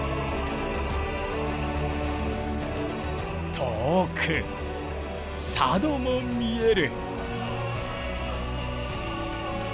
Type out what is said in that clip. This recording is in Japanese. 遠く佐渡も見える。